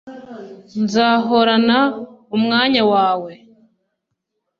Nzahorana umwanya wawe